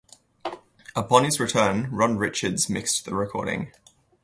Upon his return, Ron Richards mixed the recording.